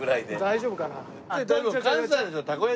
大丈夫かな？